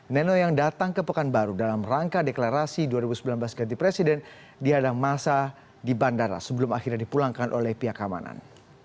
neno yang datang ke pekanbaru dalam rangka deklarasi dua ribu sembilan belas ganti presiden dihadang masa di bandara sebelum akhirnya dipulangkan oleh pihak keamanan